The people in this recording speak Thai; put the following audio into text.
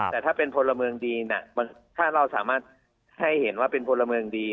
แต่ถ้าเป็นพลเมืองดีน่ะถ้าเราสามารถให้เห็นว่าเป็นพลเมืองดี